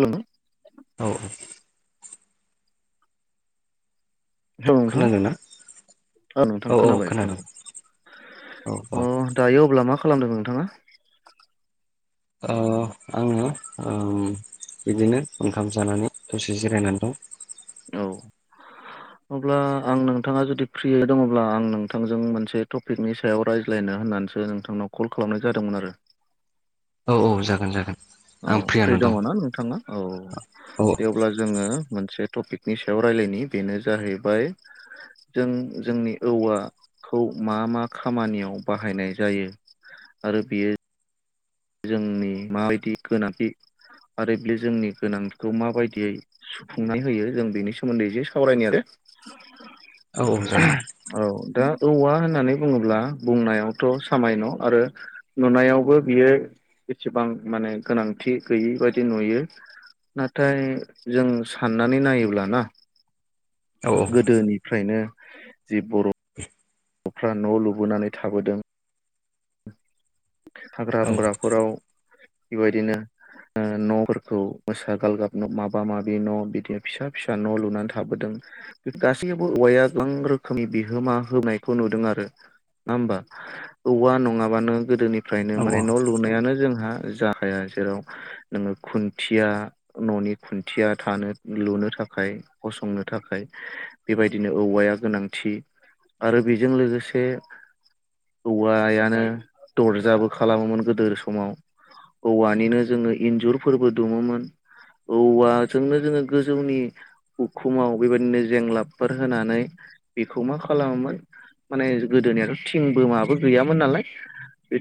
हेल' औ औ नोंथां खोनादों ना नोंथां औ औ खोनाबाय खोनादों। खोनाबाय औ अ। खोनादों नोंथाङा। ओ आङो ओम। बिदिनो ओंखाम जानानै दसे जिरायनानै दं। औ अब्ला आं नोंथाङा जुदि फ्रियै दङब्ला आं नोंथांजों मोनसे टपिकनि सायाव रायज्लाय ना होननासो नोंथांनाव कल खालामनाय जादोंमोन आरो। औ औ जागोन जागोन। औ आं फ्रि फ्रियानो दङ' दं ना नोंथाङा औ औ दे अब्ला जोङो मोनसे टपिक नि सायाव रायलायनि बेनो जाहैबाय जों जोंनि औवाखौ मा मा मा खामानियाव बाहायनाय जायो आरो बियो जोंनि माबायदि गोनांथि आरो बे जोंनि गोनांथिखौ माबायदियै सुफुंनाय होयो जों बेनि सोमोन्दै एसेे सावरायनाय आरो। [inaudible] औ जागोन। औ दा औवा होननानै बुङोब्ला बुंनायावथ' सामायन' आरो नुनायावबो बियो एसेबां माने गोनांथि गैयि बायदि नुयो। नाथाय जों साननानै नायोब्लाना । औ गोदोनिफ्रायनो जि बर'। [inaudible] न'फ्रा न' लुबोनानै थाबोदों । हाग्रा औ बंग्राफोराव बेबायदिनो न'फोरखौ मोसा गालगाब माबा माबि न' बिदि फिसा फिसा न' लुनानै थाबोदों। गासैयावबो औवाया गोबां रोखोमनि बिहोमा होनोबायखौ नुदों आरो। नङा होमबा औवा नङाबानो गोदोनिफ्रायनो माने न' लुनायानो जोंहा। जाहाया जेराव नोङो खुन्थिया न'नि खुन्थिया थानो लुनो थाखाय थाखाय गसंनो थाखाय बेबायदिनो औवाया गोनांथि। आरो बेजों लोगोसे औवायानो दरजाबो खालामोमोन गोदो समाव औवानिनो जोङो इन्जुरफोरबो दङोमोन। औवाजोंनो जोङो गोजौनि उखुमाव बेबायदिनो जेंलाबफोर होनानै बेखौ मा खालामोमोन। माने गोदोनिथ' थिंबोमाबो गैयामोन नालाय। बे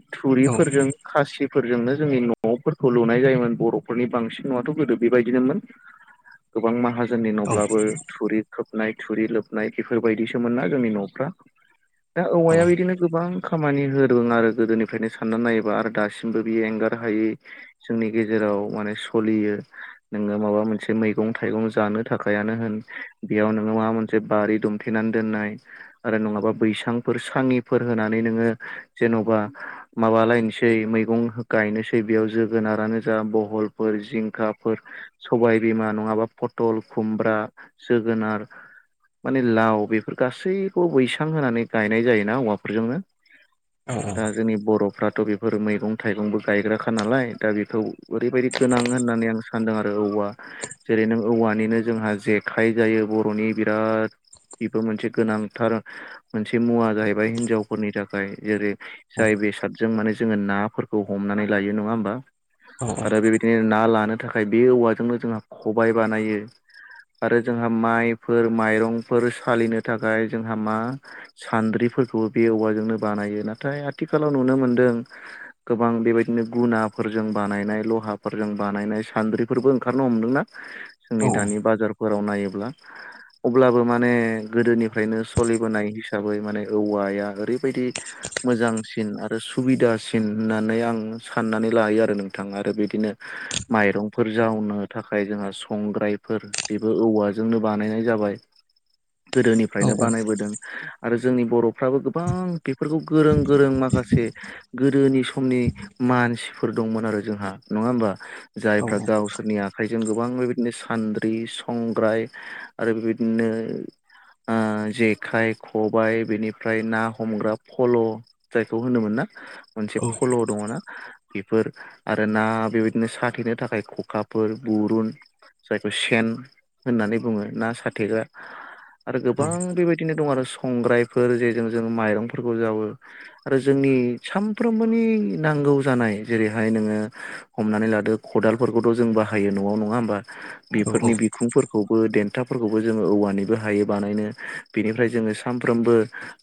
औ थुरिफोरजों खासिफोरजोंनो जोंनि न'फोरखौ लुनाय जायोमोन बर'फोरनि बांसिन न'आथ' गोदो बेबायदिनोमोन । गोबां माहाजोननि औ न'ब्लाबो थुरि खोबनाय थुरि लोबनाय बेफोरबायदिसोमोन ना जोंनि न'फ्रा। दा औ औवाया बिदिनो गोबां खामानि हो फोर आरो गोदोनिफ्रायनो साननानै नायोबा आरो दासिमबो बियो एंगार हायै जोंनि गेजेराव माने सलियो नोङो माबा मोनसे मैगं थाइगं जानो थाखायानो होन बेयाव नोङो माबा मोनसे जे बारि दुमथेनानै दोननाय आरो नङाबा बैसांफोर साङिफोर होनानै नोङो जेन'बा माबालायनोसै मैगं गायनोसै बेयाव जोगोनारानो जा बहलफोर जिंखाफोर सबायबिमा नङाबा फटल खुमब्रा जोगोनार माने लाव बेफोर गासैखौबो बैसां होनानै गायनाय जायोना औवाफोरजोंनो दा औ जोनि बरफ फ्राथ' बेफोर मैगं थाइगंबो गायग्राखा नालाय दा बेखौ ओरैबायाददि गोनां होननानै आं सानदों आरो। औवा जेरै नों औवानिनो जोंहा जेखाइ जायो बर'नि बिराद बेफोर मोनसे गोनांथार मोनसे मुवा जाहैबाय हिनजावफोरनि थाखाय जेरै औ जाय बेसादजों माने जोङो नाफोरखौ हमनानै लायो नङा होमबा औ औ आरो बेबायदिनो ना लानो थाखाय बे औवाजोंनो जोंहा खबाय बानायो आरो जोंहा माइफोर माइरंफोर सालिनो थाखाय जोंहा मा सान्द्रि। फोरखौबो बे औवाजोंनो बानायो ना नाथाय आथिखालाव नुनो मोनदों गोबां बेबायदिनो गुनाफोरजों बानायनाय लहाफोरजों बानायनाय सानद्रिबो नो हमदों ना जोंनि दानि बाराव नाय अब्लाबो माने गोदोनिफ्रायनो सोलिबोनाय हिसाबै माने औवाया ओरै बायदि। मोजांसिन आरो सुबिदासिन होननानै आं साननानै लायो आरो नोंथां आरो बिदिनो। माइरंफोर जावनो थाखाय जोंहा संग्रायफोर बेबो औवाजोंनो बानायनाय जाबाय गोदोनिफ्रायनो बानायबोदों आरो जोंनि बर'फ्राबो गोबां बेफोरखौ गोरों गोरों माखासे गोदोनि समनि मानसिफोर दंमोन आरो जोंहा नङा होमबा। जायफ्रा गावसोरनि आ आखाइजों गोबां बेबायदिनो सान्द्रि संग्राय आरो बेबायदिनो जेखाइ खबाय बेनिफ्राय ना हमग्रा फल' जायखौ होनोमोन ना मोनसे फल' दङ ना बेफोर आरो ना बेबायदिनो साथेनो थाखाय खखाफोर गुरुन जायखौ सेन होननानै बुङो ना साथेग्रा आरो गोबां बेबायदिनो दं आरो संग्रायफोर जेजों जों माइरं फोरफोरखौ जावो आरो जोंनि सानफ्रोमबोनि नांगौ जानाय जेरैहाय नोङो हमनानै लादो खदालफोरखौथ' जों बाहायो न'आव नङा होमबा बेफोरनि बिखुंफोरखौ देन्थाफोरखौबो जोङो औवानिबो हायो बानायनो बिनिफ्राय जोङो सानफ्रामबो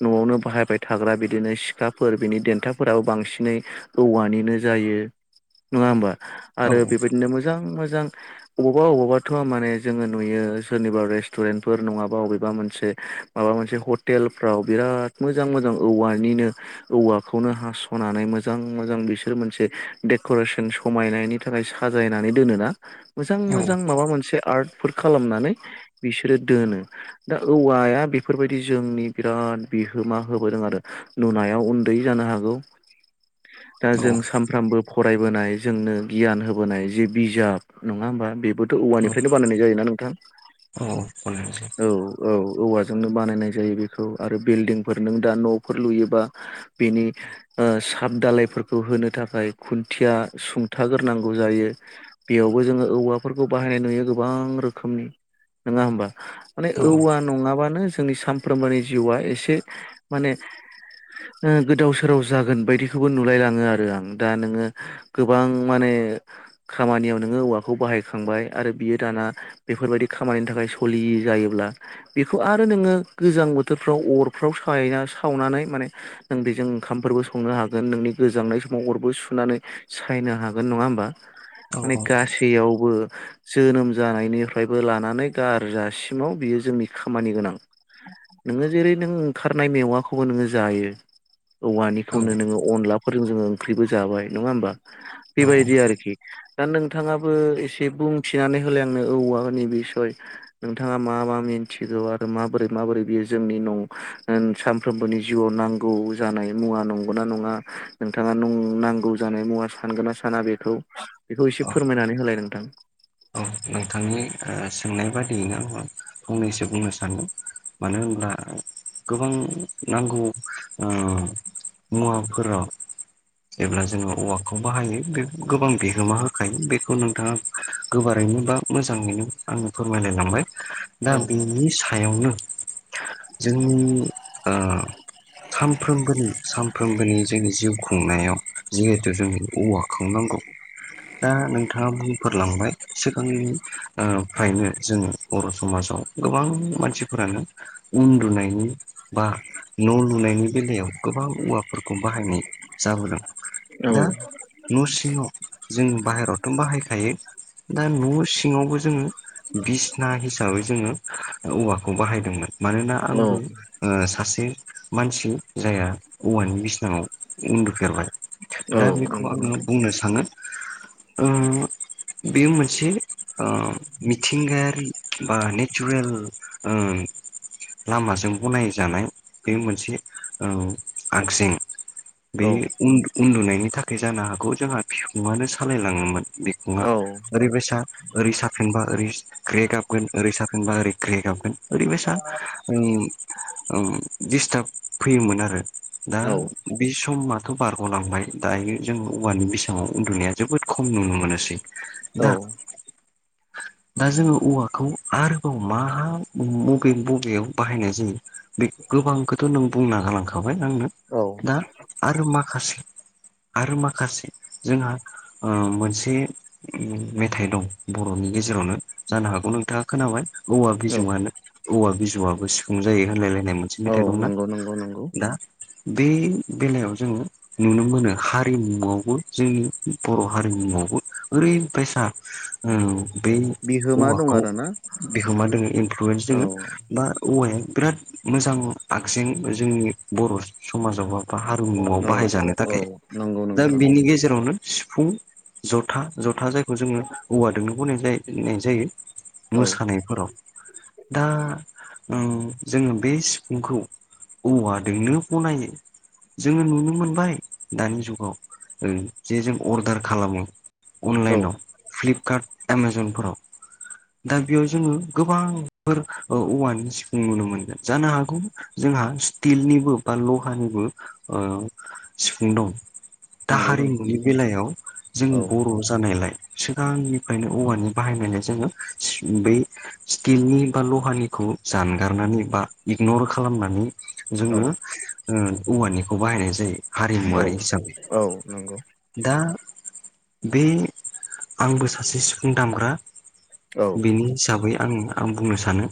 न'आवनो बाहायबाय थाग्रा बिदिनो सिखाफोर बिनि देन्थाफोराबो बांसिनै औवानिनो जायो। नङा होमबा आरो बेबायदिनो मोजां मोजां अबावबा अबावबाथ' माने जोङो नुयो सोरनिबा रेस्टुरेन्टफोर नङाबा अबेबा मोनसे। माबा मोनसे हटेलफ्राव बिराद मोजां मोजां औवानिनो औवाखौनो हास'नानै मोजां मोजां बिसोर मोनसे डेक'रेसन। समायनायनि थाखाय साजायनानै दोनोना मोजां मोजां माबा मोनसे आर्ट खालामनानै बिसोरो दोनो दा औवाया बेफोरबायदि जोंनि बिराद बिहोमा होब नुनायाव उन्दै जानो हागौ दा जों सानफ्रामबो फरायबोनाय जोंनो गियान होबोनाय जे बिजाब नङा होमबा बेबो औवानिफ्रायनो बानायनाय जायोना नोंथां औ औ औवा जोंनो नो बानायनाय जायो बेखौ आरो बिल्दिं। नों दा न'फोर लुयोबा बेनि साब दालायफोरखौ होनो थाखाय खुन्थि खिया सुंथाग्रोनांगौ जायो बेयावबो जोङो औवाफोरखौ बाहायनाय नुयो गोबां रोखोमनि नङा होमबा माने औवा नङाबानो जोंनि सानफ्रोमबोनि जिउआ एसे माने गोदाव सोराव जागोन बायदिखौबो नुलायलाङो आरो आं दा नोङो गोबां माने ओ खामानियाव नोङो औवाखौ बाहायखांबाय आरो बियो दाना बेफोरबायदि खामानिनि थाखाय सलियो। बि जायोब्ला बेखौ आरो नोङो गोजां बोथोरफ्राव अर फ्राव स सावनानै माने नों बेजों ओंखामफोरबो संनो हागोन नोंनि गोजांनाय समाव अरबो सु। होननानै सायनो हागोन नङा होमबा माने गासैयावबो। जोनोम जानायनिफ्रायबो लानानै गारजासिमाव बियो जोंनि खामानि गोनां नङो जेरै नों ओंखारनाय मेवाखौबो नोङो जायो औवानिखौनो नोङो अनलाफोरजों जोङों। ख्रिबो जाबाय नङा होमबा बेबायदि आरोखि दा नोंथाङाबो एसे बुंथिनानै होलाय आंनो औवानि बिसय नोंथाङा मा मा मि मिथिगौ आरो माबोरै माबोरै बेयो जोंनि न'आव सानफ्रोमबोनि जिउआव नांगौ जानाय मुवा नंगौना नङा नोंथाङा नांगौ जानाय मुवा सानगोना साना बेखौ बेखौ औ एसे फोरमायनानै होलाय नोंथां? औ नोंथांनि सोंनाय बादियैनो आङो फंनैसो बुंनो सानदों। मानो होनोब्ला गोबां नांगौ मुवाफोराव जेब्ला जोङो औवाखौ बाहायो बे गोबां बिहोमा होखायो बेखौ नोंथाङा। गोबारैनो बा मोजाङैनो आङ फोरमायलायलांबाय दा औ बिनि सायावनो जों ओ सानफ्रोमबोनि सानफ्रोमबोनि जोंनि जिउखौ खुंनायाव जिहेथु जोंनि औवा खांनांगौ दा नोंथाङा बुंफोरलांबाय सिगांनि फ्रायनो जों बर' समाजाव गोबां मानसिफोरानो उन्दुनायनि बा न' लुनायनि बेलायाव गोबां औवाफोरखौ बाहायनाय जाबोदों औ दा न' सिङाव जों बाहेरायावथ' बाहायखायो। दा न' सिङावबो जोङो बिस ना हिसाबै जोङो औवाखौ बाहायदोंमोन मानोना औ आंबो सासे मानसि जाया औवानि बिसिनायाव उन्दुफेरबाय औ दा बेखौ नंगौ आङो नोंथां बुंनो सानो उ बेयो मोनसे मिथिंगायारि बा नेचारेल लामाजों गनायजानाय बे मोनसे आगजें बे औ उ उन्दुनायनि थाखाय जानो हागौ जोंहा बिखुङानो सालायलाङोमोन बिखुंआ औ ओरैबायसा ओरै साफेनबा ओरै ग्रे गाबगोन ओरै साफेनबा ओरै। ग्रे गाबगोन ओरैबायसा उ उम दिडस्टार्ब फैयोमोन आरो। दा औ बि समा खौखौ बारग'लांबाय दायो जोंङो औवानि बेसाव उन्दुनाया जोबोद खम नुनो मोनोसै औ दा। [inaudible] दा जोङो औवाखौ आरोबाव मा बबे बबेयाव बाहायनाय जायो बे गोबांखौथ' नों बुंना गालांखाबाय आंनो दा आरो माखासे माखासे आरो माखासे जोंहा मोनसे उ मेथाइ दं बर'नि गेजेरावनो जानो हागौ नोंथाङा खोनाबाय। औवा बिजौ औ औवा बिजौआबो सिफुं जायो होनलायलाय नोय मोनसे औ मेथाइ दंमोन नंगौ नंगौ नंगौ दा। बे बेलायाव जोङो नुनो मोनो हारिमुआवबो जोंनि बर' हारिमु ओरै बायसा बे बिहोमा दं औवाखौ आरोना बिहोमा दोङ इनफ्लुयेन्स औ दोङो दा औवाया बिराद मोजां आगजें जोंनि बर' समाजावबो हारिमुआव औ बाहायजानो औ थाखाय नंगौ दा नोंथां बिनि गेजेरावनो सिफुं जथा जथा जायखौ जोङो औवा दोंनो गनाय जनाय जायो। औ मोसानायफोराव दा जोङो बे सिफुंखौ औवादोंनो बनायो। जोङो नुनो मोनबाय दानि जुगाव जे जों अर्डार खालामो औ अनलाइनाव फ्लिपकार्ट एमाजनफोराव। दा बेयाव जोङो गोबांफोर औवानि सिफुं नुनो मोनगोन जानो हागौ। जोंहा स्टिलनिबो बा लहानिबो सिफुं दं दा नंगौ नोंथां हारिमुनि बेलायाव जों औ बर' जानायलाय। सिगांनिफ्रायनो औवानि बाहायनायलाय जोङो बै स्टिलनि बा लहानिखौ खौ जानगारनानै बा इगनर खालामनानै औ जोङो औवानिखौ बाहायनाय जायो। औ हारिमुवारि हिसाबै औ नंगौ दा बे आंबो सासे सिफुं दामग्रा औ बेनि हिसाबै आं आं बुंनो सानो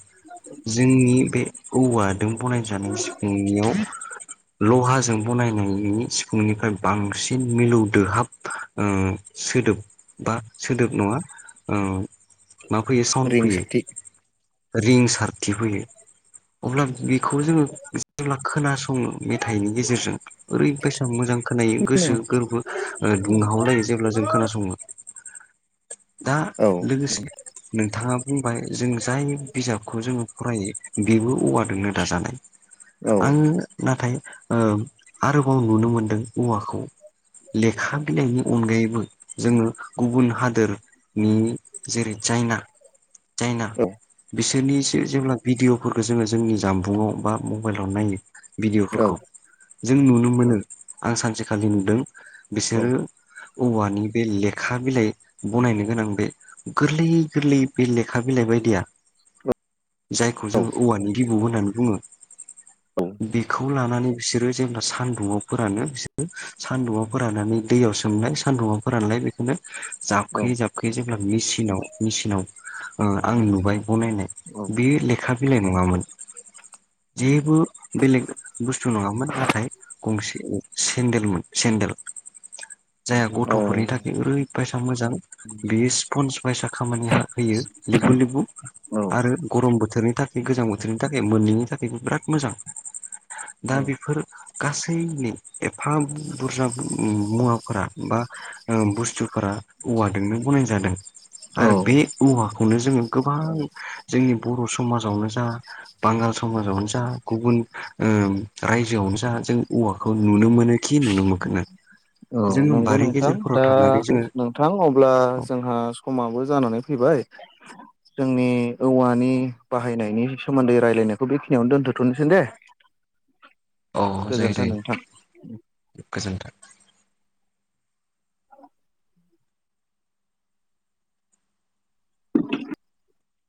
जोंनि बे औवा नों बनायजानाय सिगांनियाव लहाजों बनायनायनि सिफुंनिफ्राय बांसिन मिलौदोहाब सोदोब बा सोदोब नङा मा फैयो साउन्ड फैयो रिंसारथि रिं सारथि फैयो अब्ला। बेखौ जोङो जेब्ला खोनासंङो मेथाइनि गेजेरजों ओरैबायसा मोजां खोनायो गोसो औ गोरबो ओ दुंहावलायो जेब्ला जों। खोनासङो दा औ लोगोसे नोंथाङा ओ जों जाय बिजाबखौ जोङो फरायो बेबो अवानि नो दाजानाय औ आङो नाथाय आरोबाव नुनो मोनदों औवाखौ लेखा बिलाइनि अनगायैबो जोङो गुबुन हादोरनि जेरै चायना जायना औ बिसोरनिसो जेब्ला भिडिअ'फोरखौ जोङो जोंनि जामबुंङाव बा मबाइलाव नायो औ भिडिय'फोरखौ जों नुनो मोनो आं सानसेखालि नुदों बिसोरो औ औवानि बे लेखा बिलाइ बनायनो गोनां बे गोरलै गोरलै बे लेखा लेखा बिलाइ बायदिया जायखौ औ जोङो औवानि बिबौ होननानै बुङो बेखौ लानानै बिसोरो जेब्ला सान्दुंआव फोरानो बिसोरो सान्दुआव फोराननानै दैयाव सोमनाय सान्दुआव फोरानलाय बेखौनो औ जाबखोयै जाबखोयै जेब्ला मसिनाव मेसिनाव आं नुबाय बनायनाय बेयो लेखा बिलाइ नङामोन। जेबो बेलेग बुस्थु नङामोन नाथाय गंसे सेन्देलमोन ल जाया गथ'फोरनि थाखाय ओरैबायसा मोजां बेयो स्पन्स फायसा खामानि होयो लेबबु लिबबु औ आरो गरम बोथोरनि थाखाय गोजां बोथोरनि थाखाय मोननैनि थाखायबो बिराद मोजां दा बेफोर गासैनि एफा बुरजा मुवाफोरा बा ओ बुस्थुफोरा औवाजोनो बनायज जादों। आरो बे औवाखौनो जोङो गोबां जोंनि बर' समाजावनो जा बांगाल समाजावनो जा गुबुन ओ। रायजोआवनो ज जों औवाखौ नुनो मोनो खि नुनो मोनोन औ जो नंगौ ब नोंथां दा नोंथां अब्ला जोंहा समाबो जानानै फैबाय। जोंनि औवानि बाहायनायनि सोमोन्दै रायलायनायखौ बेखिनियावनो दोनथ'थ'नोसै दे औ जायो गोजोन्थों जायो नोंथां गोजोन्थों